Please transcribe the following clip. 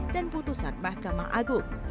dan putusan mahkamah agung